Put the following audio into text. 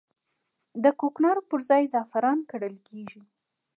د کوکنارو پر ځای زعفران کرل کیږي